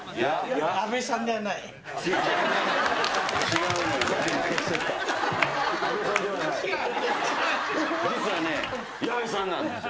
矢部さんなんですよ。